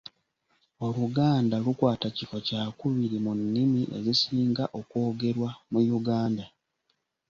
Oluganda lukwata kifo kyakubiri mu nnimi ezisinga okwogerwa mu Yuganda.